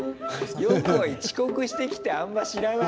ヨコイ、遅刻してきてあんま知らない。